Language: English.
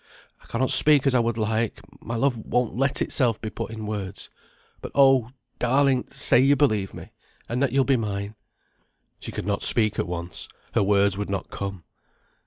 I cannot speak as I would like; my love won't let itself be put in words. But oh! darling, say you believe me, and that you'll be mine." She could not speak at once; her words would not come.